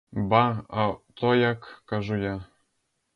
— Ба, а то як, — кажу я.